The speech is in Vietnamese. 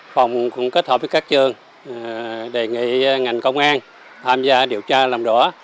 phòng cũng kết hợp với các trường đề nghị ngành công an tham gia điều tra làm rõ